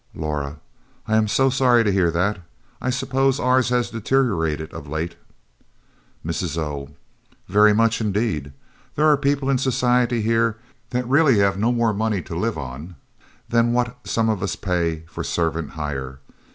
Laura "I am sorry to hear that. I suppose ours has deteriorated of late." Mrs. O. "Very much indeed. There are people in society here that have really no more money to live on than what some of us pay for servant hire.